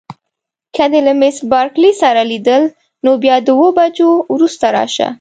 که دې له میس بارکلي سره لیدل نو بیا د اوو بجو وروسته راشه.